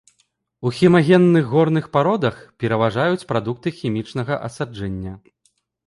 У хемагенных горных пародах пераважаюць прадукты хімічнага асаджэння.